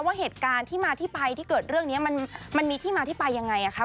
ว่าเหตุการณ์ที่มาที่ไปที่เกิดเรื่องนี้มันมีที่มาที่ไปยังไงคะ